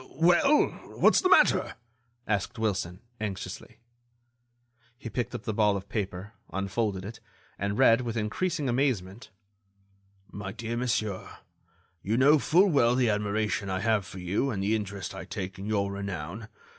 "Well? What's the matter?" asked Wilson, anxiously. He picked up the ball of paper, unfolded it, and read, with increasing amazement: "My Dear Monsieur: "You know full well the admiration I have for you and the interest I take in your renown.